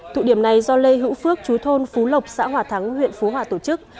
thụ điểm này do lê hữu phước chú thôn phú lộc xã hòa thắng huyện phú hòa tổ chức